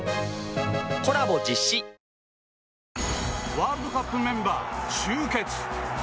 ワールドカップメンバー集結